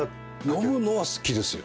読むのは好きですよ。